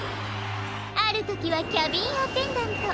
あるときはキャビンアテンダント。